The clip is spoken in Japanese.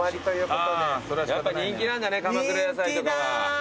やっぱ人気なんだね鎌倉野菜とかは。